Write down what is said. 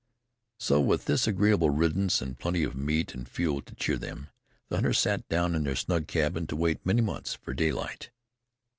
So with this agreeable riddance and plenty of meat and fuel to cheer them, the hunters sat down in their snug cabin to wait many months for daylight.